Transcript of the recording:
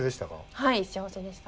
はい幸せでした。